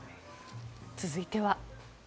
続いては。